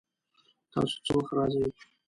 تاسو څه وخت راځئ؟